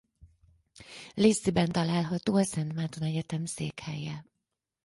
Lacey-ben található a Szent Márton Egyetem székhelye.